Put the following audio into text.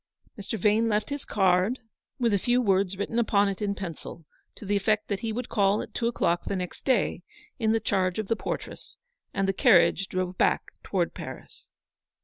Mr. Vane left his card with a few words written upon it in pencil, to the effect that he would call at two o'clock the next day, in the charge of the portress; and the carriage drove back towards Paris.